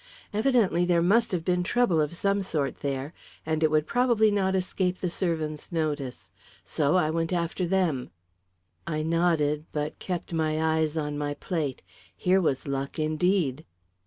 Evidently there must have been trouble of some sort there; and it probably would not escape the servants' notice. So I went after them." I nodded, but kept my eyes on my plate. Here was luck, indeed!